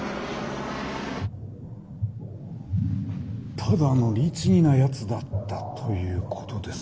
ただの律儀なやつだったということですか。